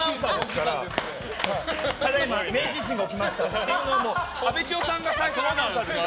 ただいま、明治維新が起きましたっていうのを阿部知代さんが最初のアナウンサー。